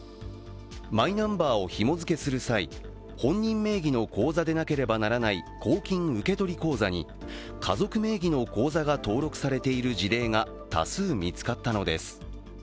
マイナンバーをひも付けする際、本人名義の口座でなければならない公金受取口座に、家族名義の口座が登録されている事例が多数見つかったのです。